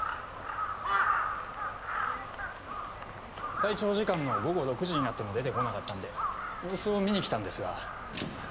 退庁時間の午後６時になっても出てこなかったんで様子を見に来たんですが。